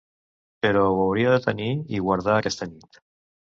Però ho hauria de tenir i guardar aquesta nit.